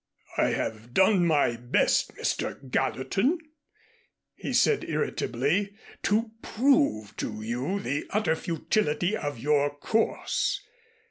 "I have done my best, Mr. Gallatin," he said irritably, "to prove to you the utter futility of your course.